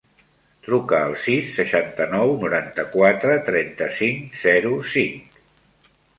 Truca al sis, seixanta-nou, noranta-quatre, trenta-cinc, zero, cinc.